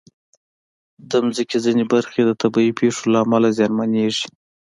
د مځکې ځینې برخې د طبعي پېښو له امله زیانمنېږي.